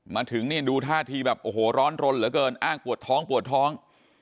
มาถึงนี่ดูท่าทีแบบโอ้โหร้อนรนเหลือเกินอ้างปวดท้องปวดท้อง